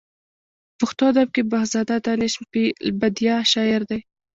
په پښتو ادب کې بخزاده دانش فې البدیه شاعر دی.